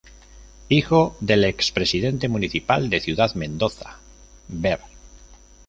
Hijo del expresidente Municipal de Ciudad Mendoza, Ver.